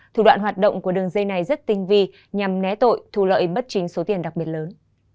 thủ đoạn hoạt động của đường dây này rất tinh vi nhằm né tội thu lợi bất chính số tiền đặc biệt lớn